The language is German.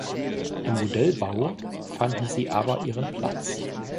Im Modellbau fanden sie aber ihren Platz.